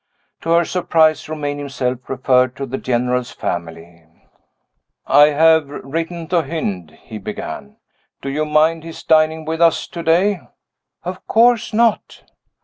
To her surprise, Romayne himself referred to the General's family. "I have written to Hynd," he began. "Do you mind his dining with us to day?" "Of course not!"